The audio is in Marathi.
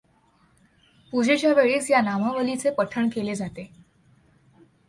पूजेच्या वेळीस या नामावलीचे पठण केले जाते.